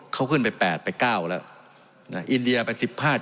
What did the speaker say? เขาขึ้นไป๘ไป๙แล้วนะอินเดียไป๑๕๗